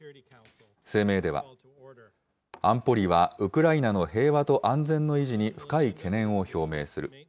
声明では、安保理はウクライナの平和と安全の維持に深い懸念を表明する。